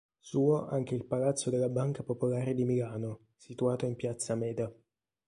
Suo anche il palazzo della Banca Popolare di Milano, situato in piazza Meda.